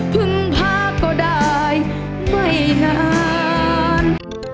พึ่งพาก็ได้ไม่นาน